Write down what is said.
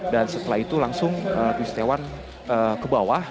dan setelah itu langsung rudy setiawan ke bawah